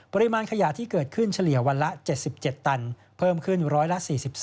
ปริมาณขยะที่เกิดขึ้นเฉลี่ยวันละ๗๗ตันเพิ่มขึ้น๑๔๔